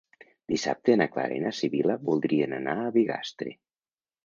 Dissabte na Clara i na Sibil·la voldrien anar a Bigastre.